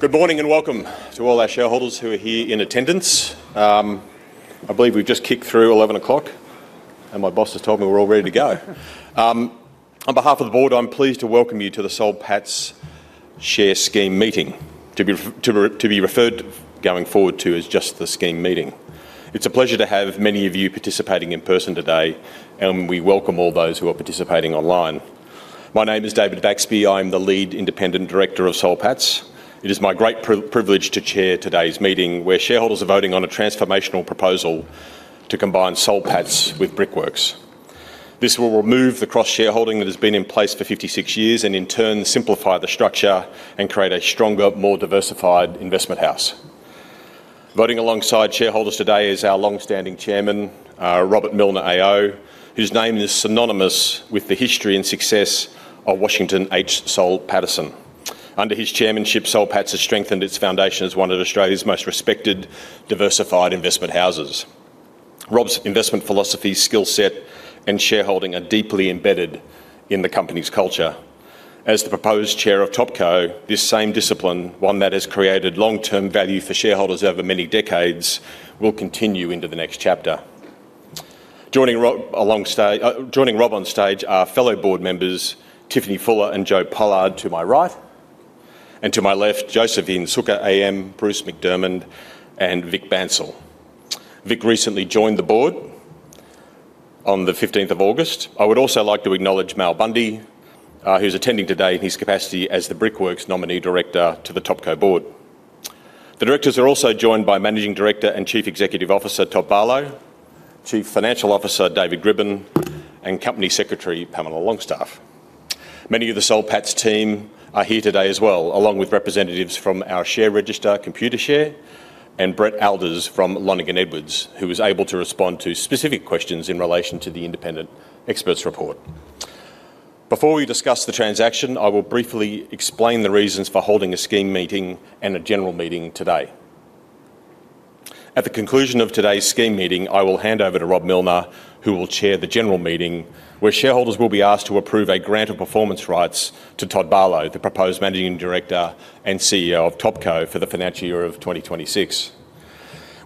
Good morning and welcome to all our shareholders who are here in attendance. I believe we've just kicked through 11 o'clock., and my boss has told me we're all ready to go. On behalf of the Board, I'm pleased to welcome you to the Soul Patts Share Scheme Meeting, to be referred going forward as just the scheme meeting. It's a pleasure to have many of you participating in person today, and we welcome all those who are participating online. My name is David Baxby. I'm the Lead Independent Director of Soul Patts. It is my great privilege to chair today's meeting where shareholders are voting on a transformational proposal to combine Soul Patts with Brickworks. This will remove the cross-shareholding that has been in place for 56 years and in turn simplify the structure and create a stronger, more diversified investment house. Voting alongside shareholders today is our longstanding Chairman, Robert Millner AO, whose name is synonymous with the history and success of Washington H. Soul Pattinson. Under his chairmanship, Soul Patts has strengthened its foundation as one of Australia's most respected, diversified investment houses. Rob's investment philosophy, skill set, and shareholding are deeply embedded in the company's culture. As the proposed Chair of Topco, this same discipline, one that has created long-term value for shareholders over many decades, will continue into the next chapter. Joining Rob on stage are fellow Board members, Tiffany Fuller and Joe Pollard to my right, and to my left, Josephine Sukkar AM, Bruce MacDiarmid, and Vik Bansal. Vic recently joined the Board on the 15th of August. I would also like to acknowledge Mal Bundey, who's attending today in his capacity as the Brickworks nominee director to the Topco Board. The directors are also joined by Managing Director and Chief Executive Officer Todd Barlow, Chief Financial Officer David Grbin, and Company Secretary Pamela Longstaff. Many of the Soul Patts team are here today as well, along with representatives from our share register, Computershare, and Brett Alder from Lonergan Edwards & Associates, who is able to respond to specific questions in relation to the independent expert report. Before we discuss the transaction, I will briefly explain the reasons for holding a scheme meeting and a general meeting today. At the conclusion of today's scheme meeting, I will hand over to Robert Millner, who will chair the general meeting, where shareholders will be asked to approve a grant of performance rights to Todd Barlow, the proposed Managing Director and CEO of Topco for the financial year of 2026.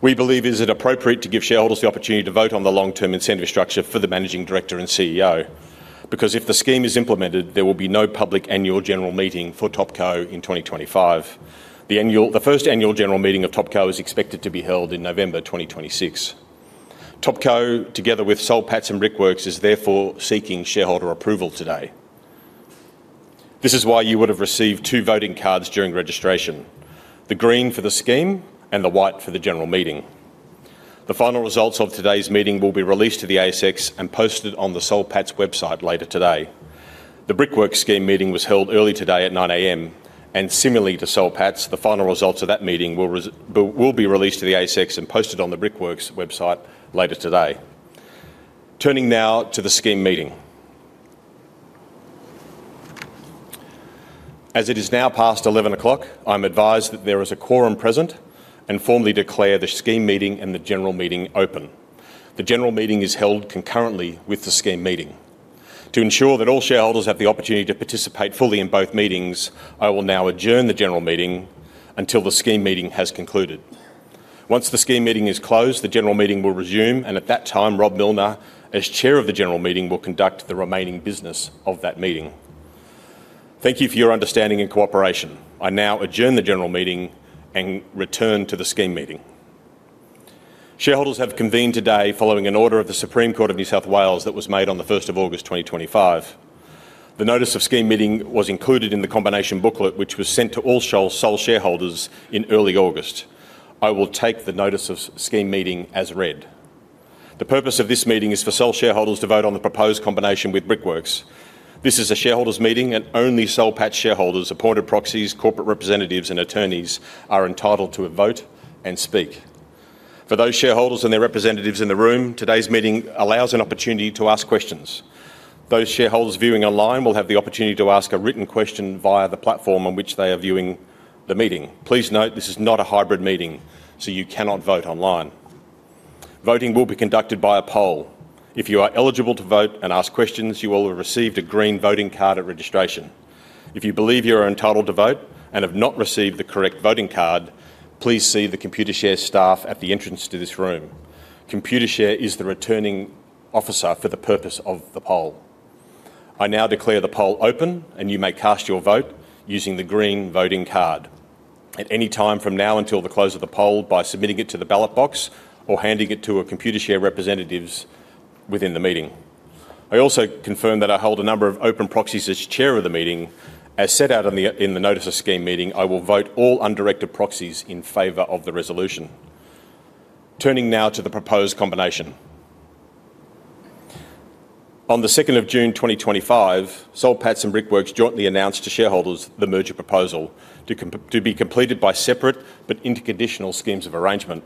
We believe it is appropriate to give shareholders the opportunity to vote on the long-term incentive structure for the Managing Director and CEO, because if the scheme is implemented, there will be no public annual general meeting for Topco in 2025. The first annual general meeting of Topco is expected to be held in November 2026. Topco, together with Soul Patts and Brickworks, is therefore seeking shareholder approval today. This is why you would have received two voting cards during registration: the green for the scheme and the white for the general meeting. The final results of today's meeting will be released to the ASX and posted on the Soul Patts website later today. The Brickworks scheme meeting was held earlier today at 9:00 A.M., and similarly to Soul Patts, the final results of that meeting will be released to the ASX and posted on the Brickworks website later today. Turning now to the scheme meeting. As it is now past 11:00 A.M., I'm advised that there is a quorum present and formally declare the scheme meeting and the general meeting open. The general meeting is held concurrently with the scheme meeting. To ensure that all shareholders have the opportunity to participate fully in both meetings, I will now adjourn the general meeting until the scheme meeting has concluded. Once the scheme meeting is closed, the general meeting will resume, and at that time, Rob Millner, as chair of the general meeting, will conduct the remaining business of that meeting. Thank you for your understanding and cooperation. I now adjourn the general meeting and return to the scheme meeting. Shareholders have convened today following an order of the Supreme Court of New South Wales that was made on the 1st of August 2025. The notice of scheme meeting was included in the combination booklet, which was sent to all Soul shareholders in early August. I will take the notice of scheme meeting as read. The purpose of this meeting is for Soul shareholders to vote on the proposed combination with Brickworks. This is a shareholders' meeting, and only Soul Patts shareholders, appointed proxies, corporate representatives, and attorneys are entitled to vote and speak. For those shareholders and their representatives in the room, today's meeting allows an opportunity to ask questions. Those shareholders viewing online will have the opportunity to ask a written question via the platform on which they are viewing the meeting. Please note this is not a hybrid meeting, so you cannot vote online. Voting will be conducted by a poll. If you are eligible to vote and ask questions, you will have received a green voting card at registration. If you believe you are entitled to vote and have not received the correct voting card, please see the Computershare staff at the entrance to this room. Computershare is the returning officer for the purpose of the poll. I now declare the poll open, and you may cast your vote using the green voting card at any time from now until the close of the poll by submitting it to the ballot box or handing it to a Computershare representative within the meeting. I also confirm that I hold a number of open proxies as Chair of the meeting. As set out in the notice of scheme meeting, I will vote all undirected proxies in favor of the resolution. Turning now to the proposed combination. On the 2nd of June 2025, Soul Patts and Brickworks jointly announced to shareholders the merger proposal to be completed by separate but interconditional schemes of arrangement.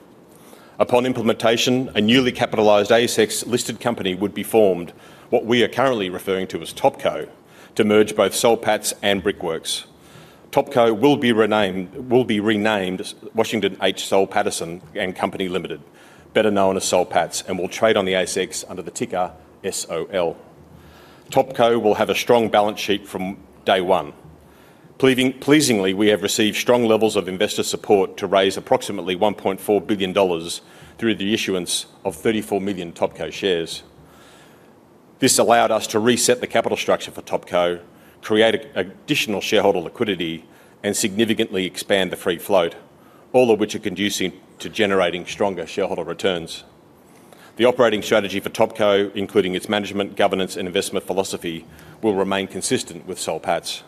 Upon implementation, a newly capitalized ASX listed company would be formed, what we are currently referring to as Topco, to merge both Soul Patts and Brickworks. Topco will be renamed Washington H. Soul Pattinson and Company Limited, better known as Soul Patts, and will trade on the ASX under the ticker SOL. Topco will have a strong balance sheet from day one. Pleasingly, we have received strong levels of investor support to raise approximately $1.4 billion through the issuance of 34 million Topco shares. This allowed us to reset the capital structure for Topco, create additional shareholder liquidity, and significantly expand the free float, all of which are conducive to generating stronger shareholder returns. The operating strategy for Topco, including its management, governance, and investment philosophy, will remain consistent with Soul Patts.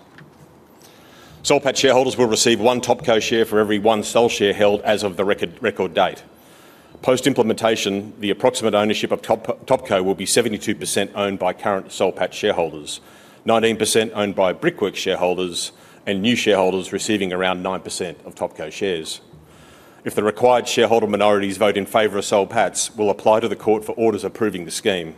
Soul Patts shareholders will receive one Topco share for every one Soul share held as of the record date. Post-implementation, the approximate ownership of Topco will be 72% owned by current Soul Patts shareholders, 19% owned by Brickworks shareholders, and new shareholders receiving around 9% of Topco shares. If the required shareholder minorities vote in favor of Soul Patts, we'll apply to the court for orders approving the scheme.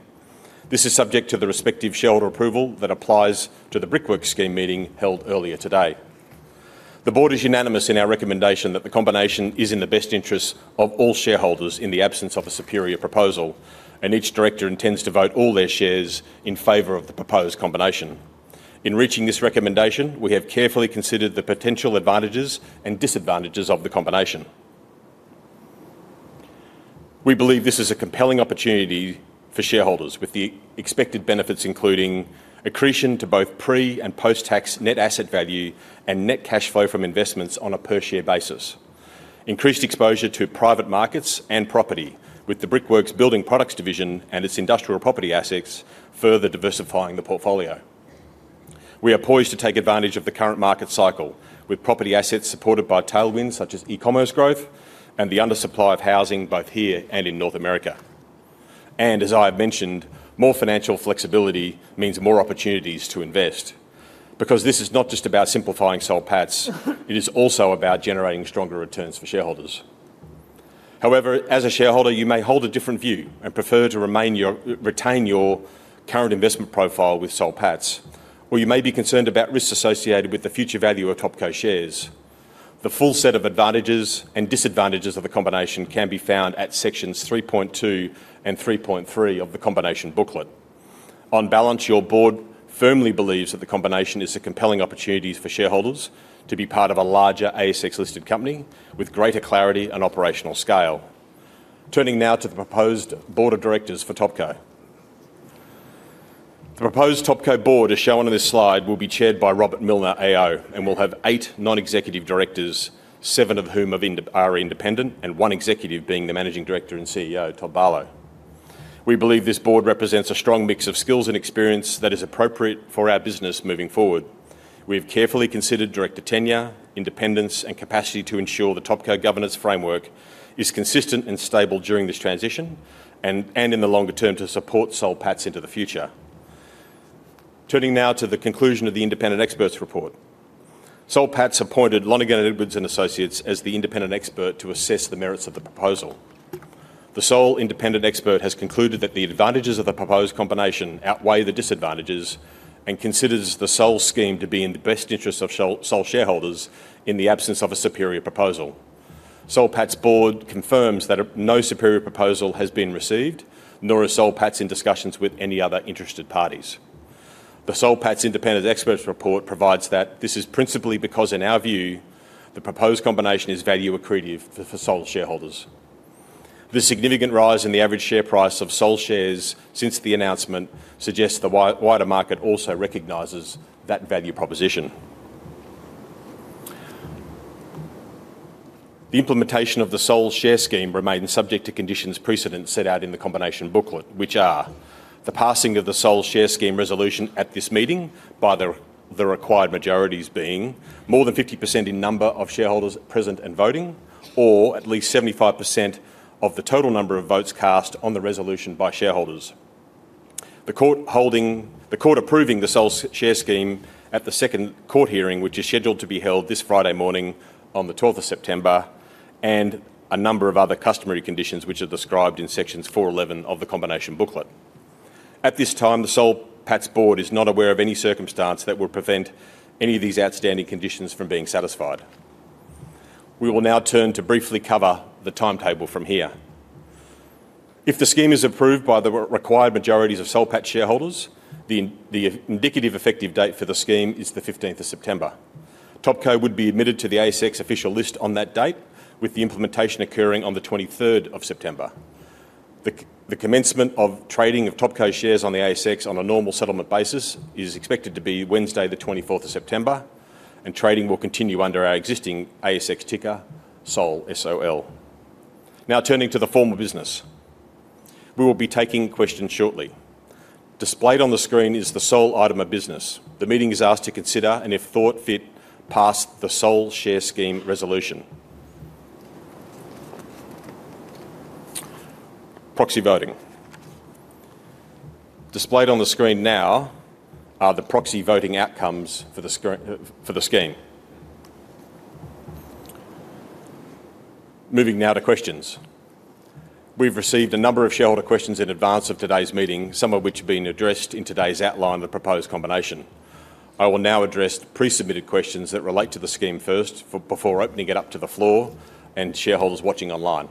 This is subject to the respective shareholder approval that applies to the Brickworks scheme meeting held earlier today. The board is unanimous in our recommendation that the combination is in the best interests of all shareholders in the absence of a superior proposal, and each director intends to vote all their shares in favor of the proposed combination. In reaching this recommendation, we have carefully considered the potential advantages and disadvantages of the combination. We believe this is a compelling opportunity for shareholders with the expected benefits including accretion to both pre- and post-tax net asset value and net cash flow from investments on a per-share basis. Increased exposure to private markets and property with the Brickworks Building Products Division and its industrial property assets further diversifying the portfolio. We are poised to take advantage of the current market cycle with property assets supported by tailwinds such as e-commerce growth and the undersupply of housing both here and in North America. As I have mentioned, more financial flexibility means more opportunities to invest. This is not just about simplifying Soul Patts, it is also about generating stronger returns for shareholders. However, as a shareholder, you may hold a different view and prefer to retain your current investment profile with Soul Patts, or you may be concerned about risks associated with the future value of Topco shares. The full set of advantages and disadvantages of the combination can be found at sections 3.2 and 3.3 of the combination booklet. On balance, your board firmly believes that the combination is a compelling opportunity for shareholders to be part of a larger ASX listed company with greater clarity and operational scale. Turning now to the proposed Board of Directors for Topco. The proposed Topco board, as shown on this slide, will be chaired by Robert Millner AO and will have eight non-executive directors, seven of whom are independent and one executive being the Managing Director and CEO, Todd Barlow. We believe this board represents a strong mix of skills and experience that is appropriate for our business moving forward. We have carefully considered director tenure, independence, and capacity to ensure the Topco governance framework is consistent and stable during this transition and in the longer term to support Soul Patts into the future. Turning now to the conclusion of the independent expert report. Soul Patts appointed Lonergan Edwards & Associates as the independent expert to assess the merits of the proposal. The Soul independent expert has concluded that the advantages of the proposed combination outweigh the disadvantages and considers the Soul scheme to be in the best interests of Soul shareholders in the absence of a superior proposal. The Soul Patts board confirms that no superior proposal has been received, nor is Soul Patts in discussions with any other interested parties. The Soul Patts independent expert report provides that this is principally because, in our view, the proposed combination is value accretive for Soul shareholders. The significant rise in the average share price of Soul shares since the announcement suggests the wider market also recognizes that value proposition. The implementation of the Soul share scheme remains subject to conditions precedent set out in the combination booklet, which are the passing of the Soul share scheme resolution at this meeting by the required majorities, being more than 50% in number of shareholders present and voting, or at least 75% of the total number of votes cast on the resolution by shareholders. The court approving the Soul share scheme at the second court hearing, which is scheduled to be held this Friday morning on the 12th of September, and a number of other customary conditions which are described in section 411 of the combination booklet. At this time, the Soul Patts board is not aware of any circumstance that would prevent any of these outstanding conditions from being satisfied. We will now turn to briefly cover the timetable from here. If the scheme is approved by the required majorities of Soul Patts shareholders, the indicative effective date for the scheme is the 15th of September. Topco would be admitted to the ASX official list on that date, with the implementation occurring on the 23rd of September. The commencement of trading of Topco shares on the ASX on a normal settlement basis is expected to be Wednesday, the 24th of September, and trading will continue under our existing ASX ticker, SOL. Now turning to the form of business, we will be taking questions shortly. Displayed on the screen is the SOL item of business. The meeting is asked to consider and, if thought fit, pass the SOL share scheme resolution. Displayed on the screen now are the proxy voting outcomes for the scheme. Moving now to questions, we've received a number of shareholder questions in advance of today's meeting, some of which have been addressed in today's outline of the proposed combination. I will now address pre-submitted questions that relate to the scheme first before opening it up to the floor and shareholders watching online.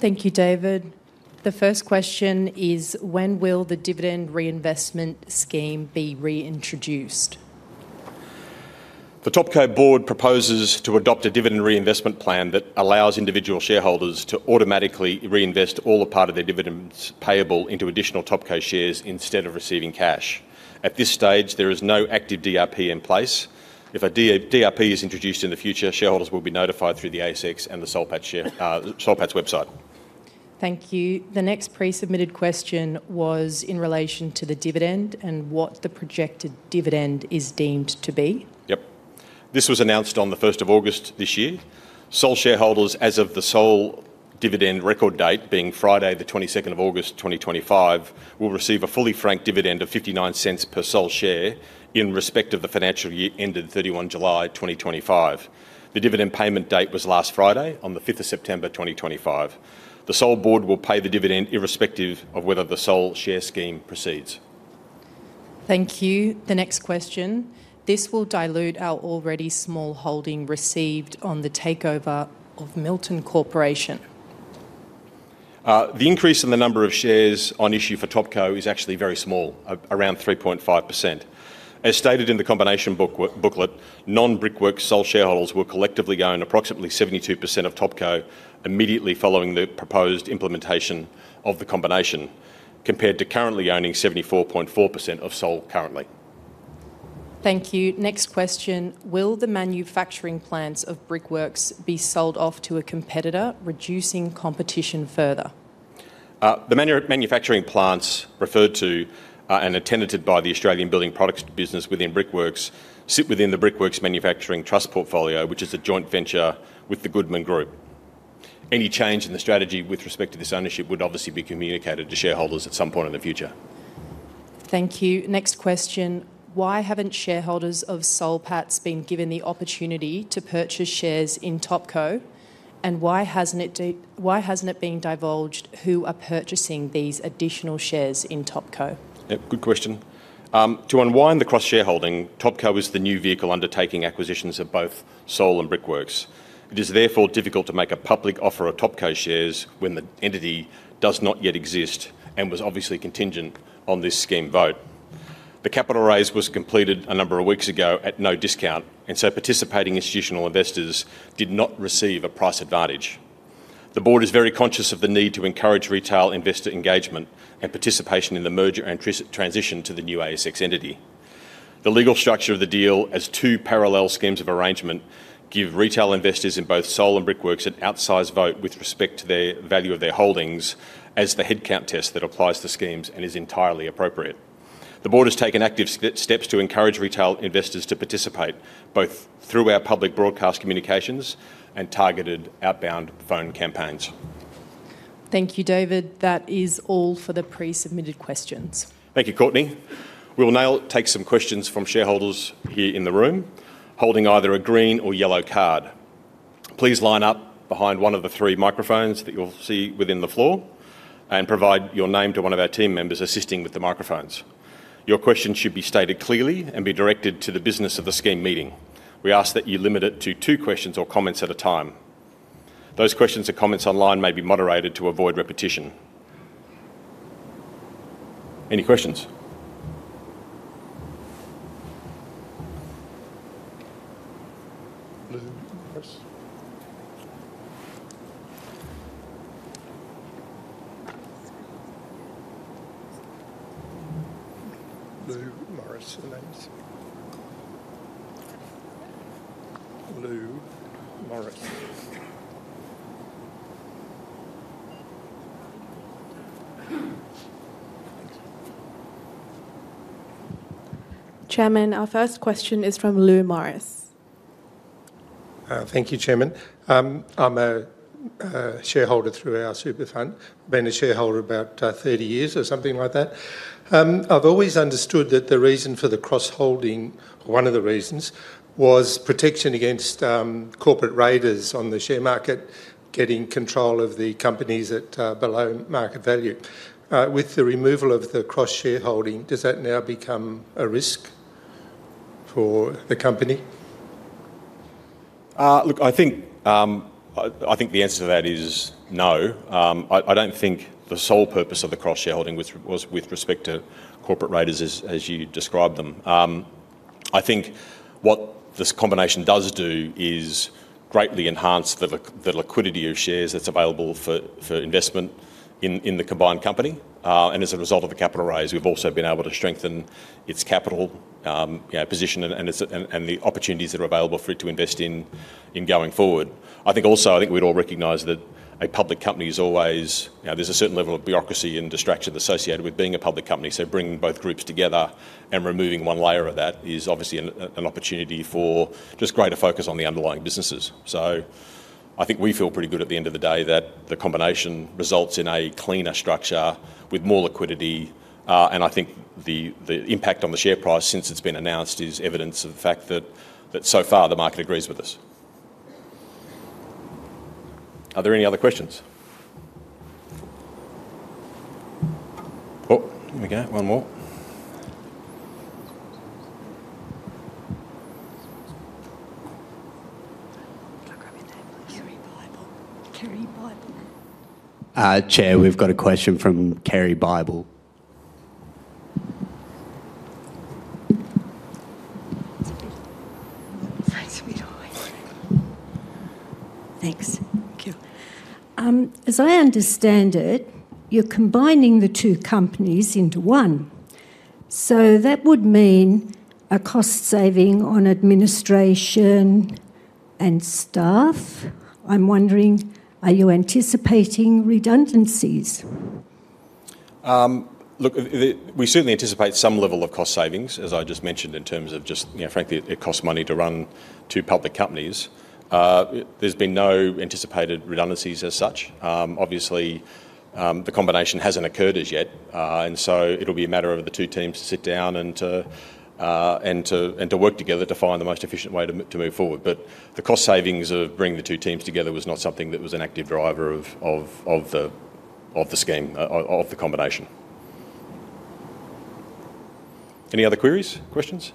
Thank you, David. The first question is, when will the dividend reinvestment scheme be reintroduced? The Topco board proposes to adopt a dividend reinvestment plan that allows individual shareholders to automatically reinvest all or part of their dividends payable into additional Topco shares instead of receiving cash. At this stage, there is no active DRP in place. If a DRP is introduced in the future, shareholders will be notified through the ASX and the Soul Patts website. Thank you. The next pre-submitted question was in relation to the dividend and what the projected dividend is deemed to be. Yep. This was announced on the 1st of August this year. Soul shareholders, as of the Soul dividend record date, being Friday, the 22nd of August 2025, will receive a fully franked dividend of $0.59 per Soul share in respect of the financial year ended 31 July 2025. The dividend payment date was last Friday, on the 5th of September 2025. The Soul board will pay the dividend irrespective of whether the Soul share scheme proceeds. Thank you. The next question: This will dilute our already small holding received on the takeover of Milton Corporation. The increase in the number of shares on issue for Topco is actually very small, around 3.5%. As stated in the combination booklet, non-Brickworks shareholders will collectively own approximately 72% of Topco immediately following the proposed implementation of the combination, compared to currently owning 74.4% of SOL currently. Thank you. Next question. Will the manufacturing plants of Brickworks be sold off to a competitor, reducing competition further? The manufacturing plants referred to and attended to by the Australian building products business within Brickworks sit within the Brickworks Manufacturing Trust portfolio, which is a joint venture with the Goodman Group. Any change in the strategy with respect to this ownership would obviously be communicated to shareholders at some point in the future. Thank you. Next question. Why haven't shareholders of Soul Patts been given the opportunity to purchase shares in Topco, and why hasn't it been divulged who are purchasing these additional shares in Topco? Good question. To unwind the cross-shareholding, Topco is the new vehicle undertaking acquisitions of both SOL and Brickworks. It is therefore difficult to make a public offer of Topco shares when the entity does not yet exist and was obviously contingent on this scheme vote. The capital raising was completed a number of weeks ago at no discount, and participating institutional investors did not receive a price advantage. The board is very conscious of the need to encourage retail investor engagement and participation in the merger and transition to the new ASX entity. The legal structure of the deal as two parallel schemes of arrangement gives retail investors in both SOL and Brickworks an outsized vote with respect to the value of their holdings, as the headcount test that applies to schemes is entirely appropriate. The board has taken active steps to encourage retail investors to participate, both through our public broadcast communications and targeted outbound phone campaigns. Thank you, David. That is all for the pre-submitted questions. Thank you, Courtney. We'll now take some questions from shareholders here in the room, holding either a green or yellow card. Please line up behind one of the three microphones that you'll see within the floor and provide your name to one of our team members assisting with the microphones. Your question should be stated clearly and be directed to the business of the scheme meeting. We ask that you limit it to two questions or comments at a time. Those questions and comments online may be moderated to avoid repetition. Any questions? Chairman, our first question is from [Lou Morris]. Thank you, Chairman. I'm a shareholder through our super fund. I've been a shareholder about 30 years or something like that. I've always understood that the reason for the cross-shareholding, or one of the reasons, was protection against corporate raiders on the share market, getting control of the companies at below market value. With the removal of the cross-shareholding, does that now become a risk for the company? Look, I think the answer to that is no. I don't think the sole purpose of the cross-shareholding was with respect to corporate raiders, as you described them. I think what this combination does do is greatly enhance the liquidity of shares that's available for investment in the combined company. As a result of the capital raising, we've also been able to strengthen its capital position and the opportunities that are available for it to invest in going forward. I think we'd all recognize that a public company is always, you know, there's a certain level of bureaucracy and distraction associated with being a public company. Bringing both groups together and removing one layer of that is obviously an opportunity for just greater focus on the underlying businesses. I think we feel pretty good at the end of the day that the combination results in a cleaner structure with more liquidity. I think the impact on the share price since it's been announced is evidence of the fact that so far the market agrees with us. Are there any other questions? Oh, here we go. One more. I'm [Kerry Bible]. Chair, we've got a question from [Kerry Bible]. Thanks. Thank you. As I understand it, you're combining the two companies into one. That would mean a cost saving on administration and staff. I'm wondering, are you anticipating redundancies? Look, we certainly anticipate some level of cost savings, as I just mentioned, in terms of just, you know, frankly, it costs money to run two public companies. There's been no anticipated redundancies as such. Obviously, the combination hasn't occurred as yet. It will be a matter of the two teams to sit down and work together to find the most efficient way to move forward. The cost savings of bringing the two teams together was not something that was an active driver of the scheme, of the combination. Any other queries? Questions?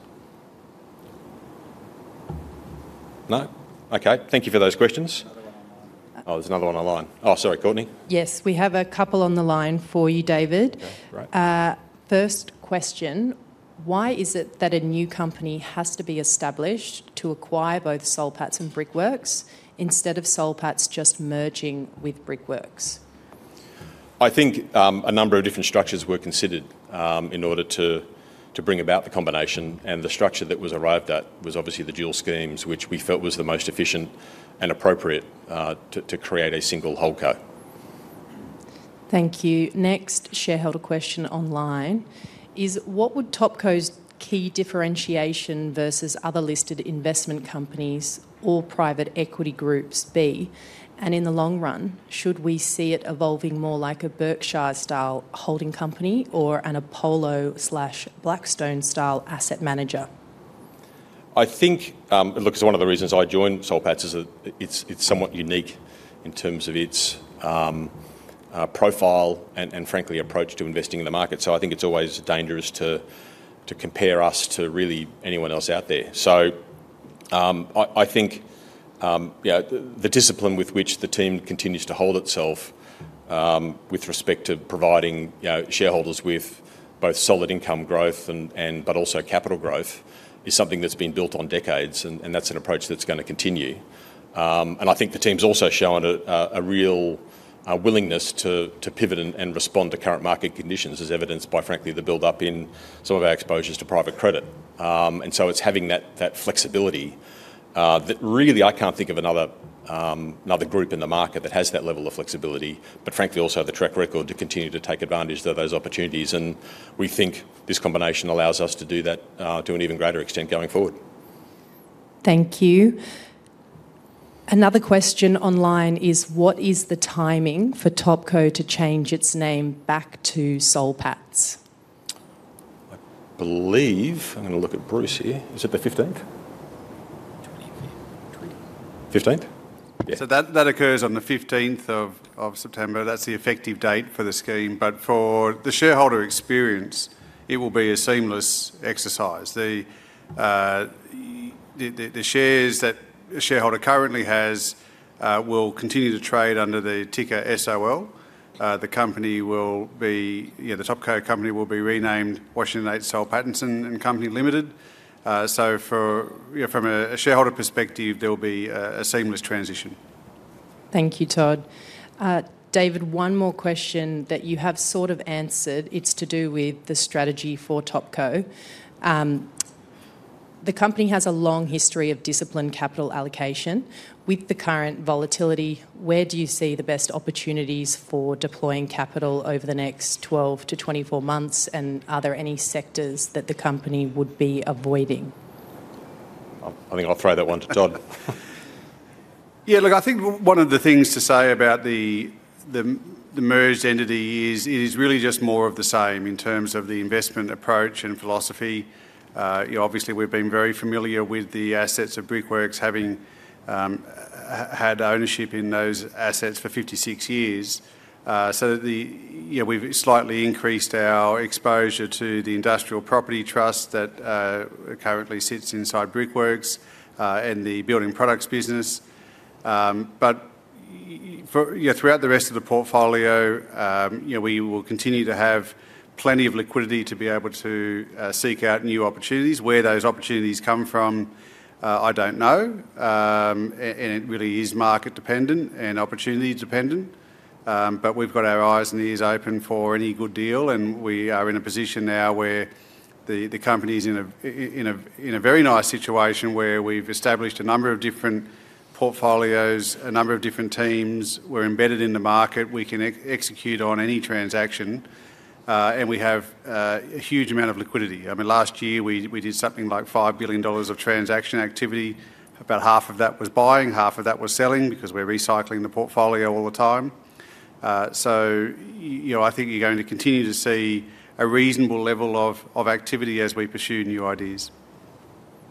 No? Okay. Thank you for those questions. Oh, there's another one on the line. Oh, sorry, Courtney. Yes, we have a couple on the line for you, David. Right. First question. Why is it that a new company has to be established to acquire both Soul Patts and Brickworks instead of Soul Patts just merging with Brickworks? I think a number of different structures were considered in order to bring about the combination, and the structure that was arrived at was obviously the dual schemes, which we felt was the most efficient and appropriate to create a single whole co. Thank you. Next shareholder question online is, what would Topco's key differentiation versus other listed investment companies or private equity groups be? In the long run, should we see it evolving more like a Berkshire-style holding company or an Apollo/Blackstone-style asset manager? I think it's one of the reasons I joined Soul Patts. It's somewhat unique in terms of its profile and, frankly, approach to investing in the market. I think it's always dangerous to compare us to really anyone else out there. I think the discipline with which the team continues to hold itself with respect to providing shareholders with both solid income growth but also capital growth is something that's been built on decades, and that's an approach that's going to continue. I think the team's also shown a real willingness to pivot and respond to current market conditions, as evidenced by, frankly, the buildup in some of our exposures to private credit. It's having that flexibility that really, I can't think of another group in the market that has that level of flexibility, but frankly also the track record to continue to take advantage of those opportunities. We think this combination allows us to do that to an even greater extent going forward. Thank you. Another question online is, what is the timing for Topco to change its name back to Soul Patts? I believe, I'm going to look at Bruce here. Is it the 15th? 15th? Yeah. That occurs on the 15th of September. That's the effective date for the scheme. For the shareholder experience, it will be a seamless exercise. The shares that a shareholder currently has will continue to trade under the ticker SOL. The company, the Topco company, will be renamed Washington H. Soul Pattinson and Company Limited. From a shareholder perspective, there will be a seamless transition. Thank you, Todd. David, one more question that you have sort of answered. It's to do with the strategy for Topco. The company has a long history of disciplined capital allocation. With the current volatility, where do you see the best opportunities for deploying capital over the next 12 months-24 months, and are there any sectors that the company would be avoiding? I think I'll throw that one to Todd. Yeah, look, I think one of the things to say about the merged entity is it is really just more of the same in terms of the investment approach and philosophy. Obviously, we've been very familiar with the assets of Brickworks, having had ownership in those assets for 56 years. We've slightly increased our exposure to the industrial property trust that currently sits inside Brickworks and the building products business. Throughout the rest of the portfolio, we will continue to have plenty of liquidity to be able to seek out new opportunities. Where those opportunities come from, I don't know. It really is market dependent and opportunity dependent. We've got our eyes and ears open for any good deal. We are in a position now where the company is in a very nice situation where we've established a number of different portfolios, a number of different teams were embedded in the market. We can execute on any transaction. We have a huge amount of liquidity. Last year we did something like $5 billion of transaction activity. About half of that was buying, half of that was selling because we're recycling the portfolio all the time. I think you're going to continue to see a reasonable level of activity as we pursue new ideas.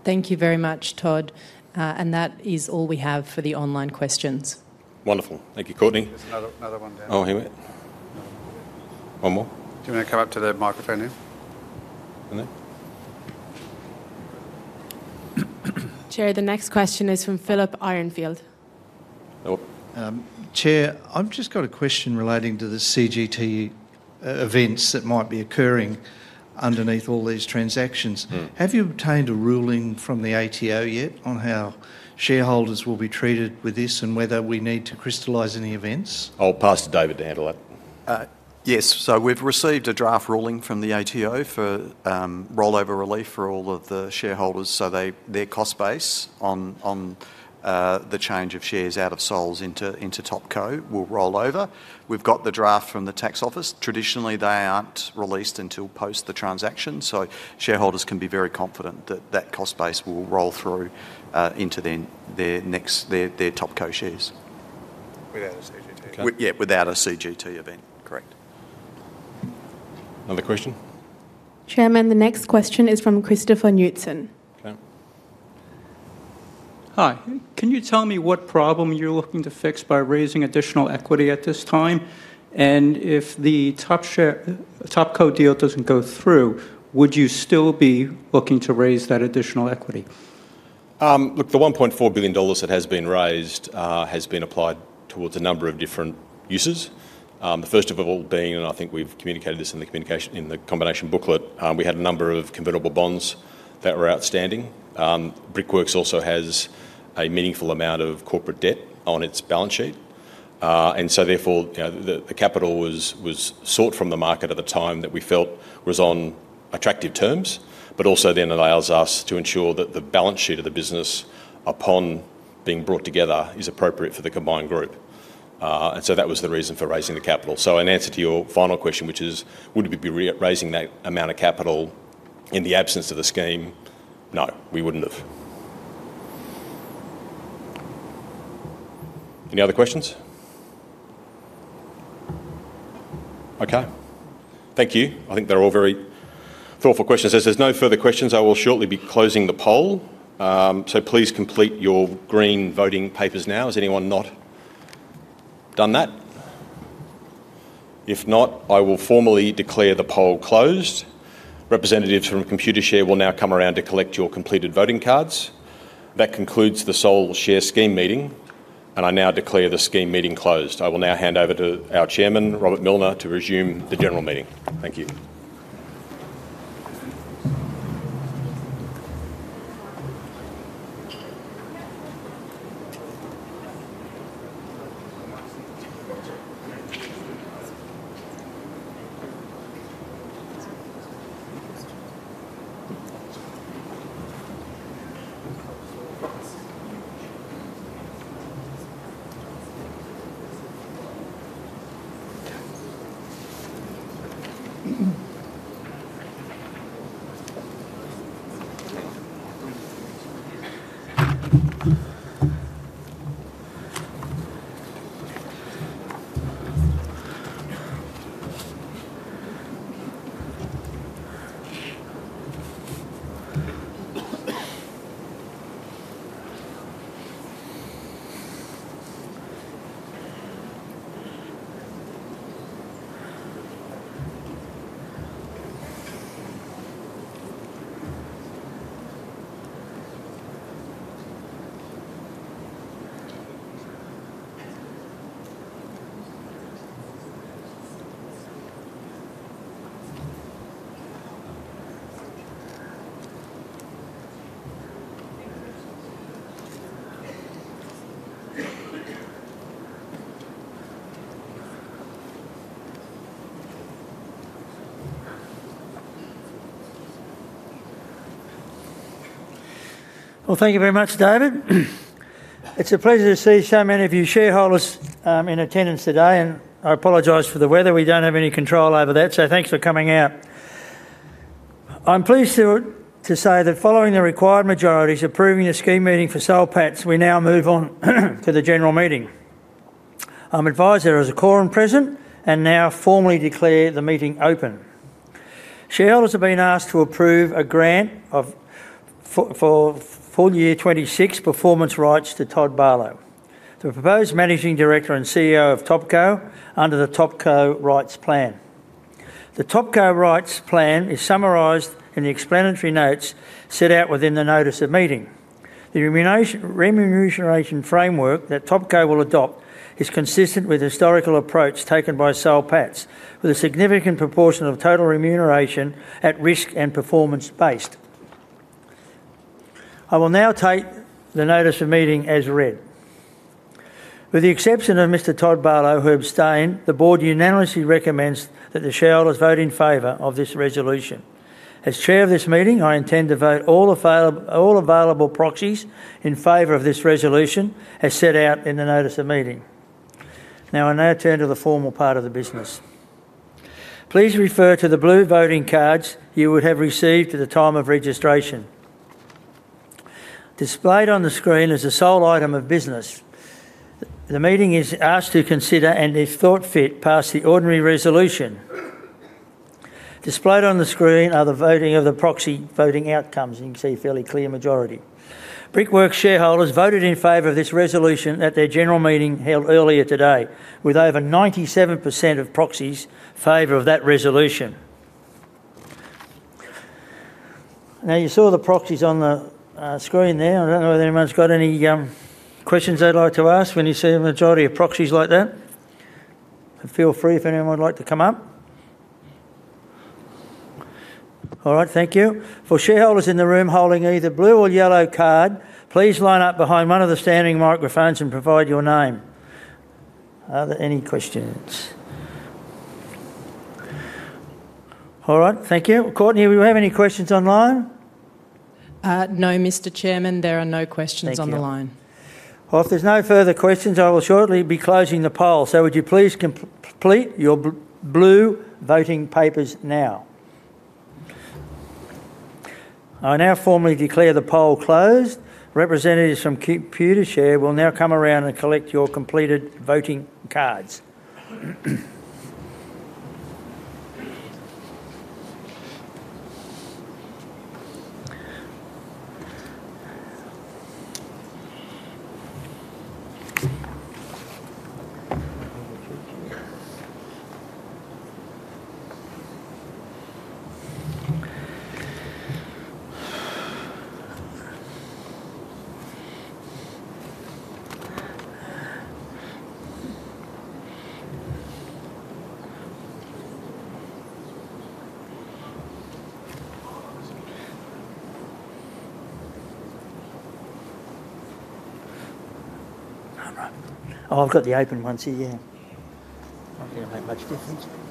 Thank you very much, Todd. That is all we have for the online questions. Wonderful. Thank you, Courtney. There's another one down. Here we go. One more. Do you want to come up to the microphone now? Chair, the next question is from [Philip Ironfield]. Chair, I've just got a question relating to the CGT events that might be occurring underneath all these transactions. Have you obtained a ruling from the ATO yet on how shareholders will be treated with this and whether we need to crystallize any events? I'll pass to David to handle that. Yes, we've received a draft ruling from the ATO for rollover relief for all of the shareholders, so their cost base on the change of shares out of SOL into Topco will roll over. We've got the draft from the tax office. Traditionally, they aren't released until post the transaction, so shareholders can be very confident that the cost base will roll through into their Topco shares, without a CGT event, correct. Another question? Chairman, the next question is from [Christopher Newtson]. Hi, can you tell me what problem you're looking to fix by raising additional equity at this time? If the Topco deal doesn't go through, would you still be looking to raise that additional equity? Look, the $1.4 billion that has been raised has been applied towards a number of different uses. The first of all being, and I think we've communicated this in the combination booklet, we had a number of convertible bonds that were outstanding. Brickworks also has a meaningful amount of corporate debt on its balance sheet. Therefore, the capital was sought from the market at the time that we felt was on attractive terms, but also then allows us to ensure that the balance sheet of the business, upon being brought together, is appropriate for the combined group. That was the reason for raising the capital. In answer to your final question, which is, would it be raising that amount of capital in the absence of the scheme? No, we wouldn't have. Any other questions? Thank you. I think they're all very thoughtful questions. As there's no further questions, I will shortly be closing the poll. Please complete your green voting papers now. Has anyone not done that? If not, I will formally declare the poll closed. Representatives from Computershare will now come around to collect your completed voting cards. That concludes the Soul Share Scheme meeting, and I now declare the scheme meeting closed. I will now hand over to our Chairman, Robert Millner, to resume the general meeting. Thank you. Thank you very much, David. It's a pleasure to see so many of you shareholders in attendance today, and I apologize for the weather. We don't have any control over that, so thanks for coming out. I'm pleased to say that following the required majorities approving the scheme meeting for Soul Patts, we now move on to the general meeting. I advise there is a quorum present and now formally declare the meeting open. Shareholders have been asked to approve a grant for full-year 2026 performance rights to Todd Barlow, the proposed Managing Director and CEO of Topco under the Topco Rights Plan. The Topco Rights Plan is summarized in the explanatory notes set out within the notice of meeting. The remuneration framework that Topco will adopt is consistent with the historical approach taken by Soul Patts, with a significant proportion of total remuneration at risk and performance-based. I will now take the notice of meeting as read. With the exception of Mr. Todd Barlow who abstained, the board unanimously recommends that the shareholders vote in favor of this resolution. As Chair of this meeting, I intend to vote all available proxies in favor of this resolution as set out in the notice of meeting. I now turn to the formal part of the business. Please refer to the blue voting cards you would have received at the time of registration. Displayed on the screen is the sole item of business. The meeting is asked to consider and, if thought fit, pass the ordinary resolution. Displayed on the screen are the proxy voting outcomes, and you can see a fairly clear majority. Brickworks shareholders voted in favor of this resolution at their general meeting held earlier today, with over 97% of proxies in favor of that resolution. You saw the proxies on the screen there. I don't know whether anyone's got any questions they'd like to ask when you see a majority of proxies like that. Feel free if anyone would like to come up. Thank you. For shareholders in the room holding either a blue or yellow card, please line up behind one of the standing microphones and provide your name. Are there any questions? Thank you. Courtney, do we have any questions online? No, Mr. Chairman, there are no questions on the line. If there's no further questions, I will shortly be closing the poll, so would you please complete your blue voting papers now. I now formally declare the poll closed. Representatives from Computershare will now come around and collect your completed voting cards. All right. I'll cut the open once again. I don't think it'll make much difference. Okay, I'll share that.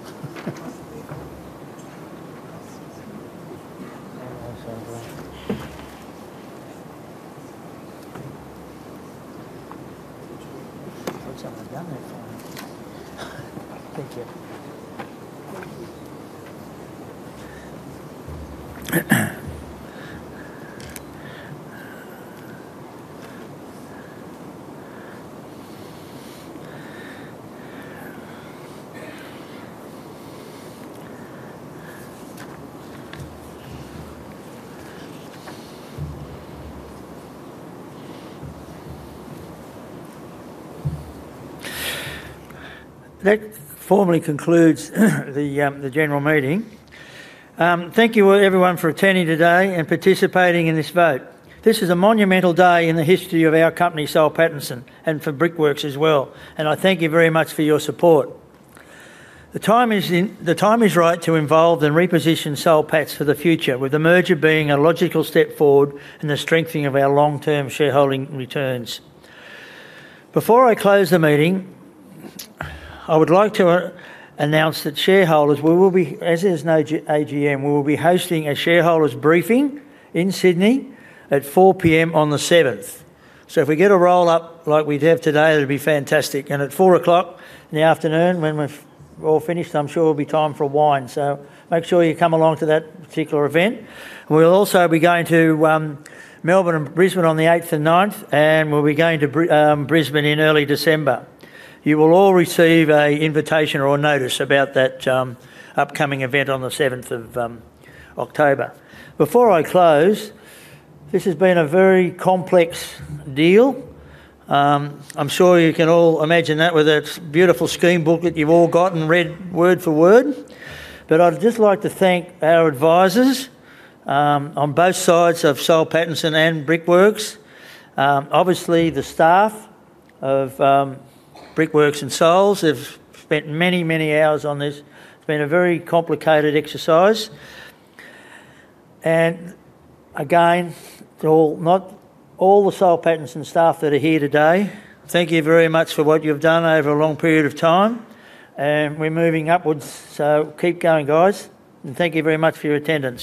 That formally concludes the general meeting. Thank you everyone for attending today and participating in this vote. This is a monumental day in the history of our company, Soul Pattinson, and for Brickworks as well, and I thank you very much for your support. The time is right to evolve and reposition Soul Patts for the future, with the merger being a logical step forward in the strengthening of our long-term shareholder returns. Before I close the meeting, I would like to announce that shareholders, we will be, as there is no AGM, we will be hosting a shareholder briefing in Sydney at 4:00 P.M. on the 7th. If we get a roll-up like we did today, that'd be fantastic. At 4:00 in the afternoon, when we're all finished, I'm sure there'll be time for wine, so make sure you come along to that particular event. We'll also be going to Melbourne and Brisbane on the 8th and 9th, and we'll be going to Brisbane in early December. You will all receive an invitation or a notice about that upcoming event on the 7th of October. Before I close, this has been a very complex deal. I'm sure you can all imagine that with that beautiful scheme book that you've all gotten and read word for word. I'd just like to thank our advisors on both sides of Soul Pattinson and Brickworks. Obviously, the staff of Brickworks and Souls have spent many, many hours on this. It's been a very complicated exercise. Again, to all the Soul Pattinson staff that are here today, thank you very much for what you've done over a long period of time. We're moving upwards, so keep going, guys. Thank you very much for your attendance.